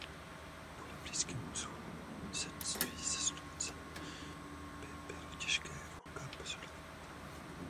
Kvůli blízkému sousedství se Sluncem by bylo těžké Vulcan pozorovat.